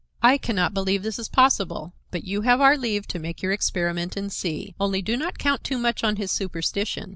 I can not believe this possible, but you have our leave to make your experiment and see. Only do not count too much on his superstition.